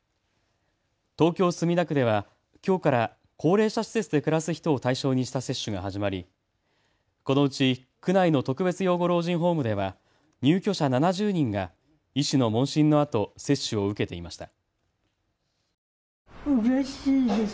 東京墨田区ではきょうから高齢者施設で暮らす人を対象にした接種が始まりこのうち区内の特別養護老人ホームでは入居者７０人が医師の問診のあと接種を受けていました。